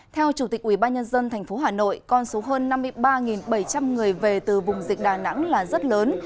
theo chủ tịch ubnd tp hà nội con số hơn năm mươi ba bảy trăm linh người về từ vùng dịch đà nẵng là rất lớn